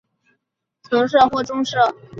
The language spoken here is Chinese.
现在蒙古包顶部均已涂上橙色或棕色。